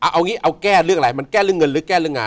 เอางี้เอาแก้เรื่องอะไรมันแก้เรื่องเงินหรือแก้เรื่องงาน